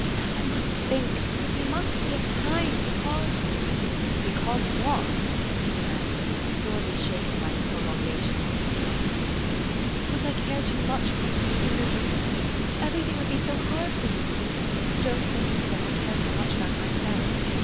I must think. I must take time because " "Because what?" he demanded, sorely shaken by the prolongation of this strain. ;' Because I care too much for you to make you miserable. Every thing would be so hard for you ! Don't think it is that I care so much about myself!